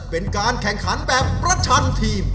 เป็นการแข่งขันแบบประชันทีม